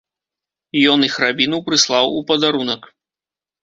Ён іх рабіну прыслаў у падарунак.